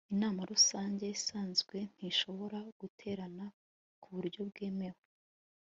inama rusange isanzwe ntishobora guterana ku buryo bwemewe